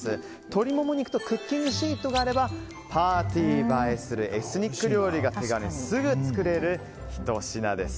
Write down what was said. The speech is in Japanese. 鶏モモ肉とクッキングシートがあればパーティー映えするエスニック料理が手軽にすぐ作れるひと品です。